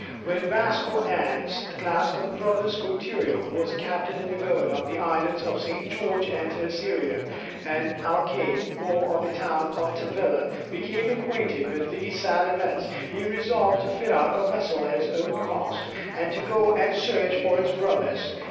When Vasco Annes, the last of the brothers Cortereal, who was captain and governor of the Islands of St. George and Terceira, and alcaide mõr of the town of Tavilla, became acquainted with these sad events, he resolved to fit out a vessel at his own cost, and to go and search for his brothers.